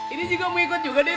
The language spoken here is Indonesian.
ini juga mau ikut juga deh